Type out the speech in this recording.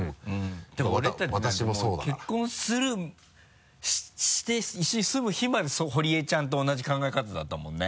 でも俺たちなんてもう結婚して一緒に住む日まで堀江ちゃんと同じ考え方だったもんね。